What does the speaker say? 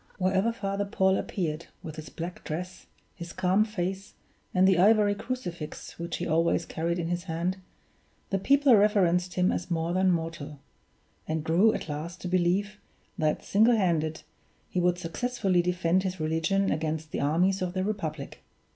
Wherever Father Paul appeared, with his black dress, his calm face, and the ivory crucifix which he always carried in his hand, the people reverenced him as more than mortal; and grew at last to believe, that, single handed, he would successfully defend his religion against the armies of the Republic.